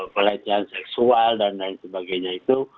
pelecehan seksual dan lain sebagainya itu